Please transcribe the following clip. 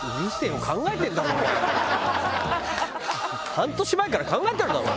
半年前から考えてるだろ！